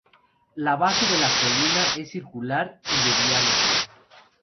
La base de la colina es circular y de de diámetro.